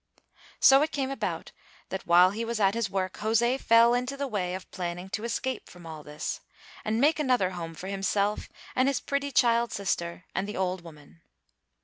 So it came about that while he was at his work José fell into the way of planning to escape from all this, and make another home for himself and his pretty child sister and the old woman.